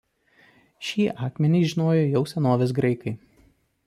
Šį akmenį žinojo jau senovės graikai.